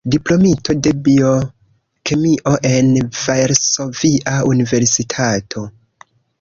Diplomito de biokemio en Varsovia Universitato.